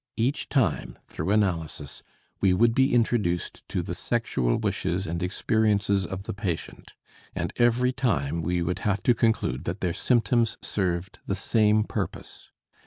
Each time, through analysis, we would be introduced to the sexual wishes and experiences of the patient, and every time we would have to conclude that their symptoms served the same purpose.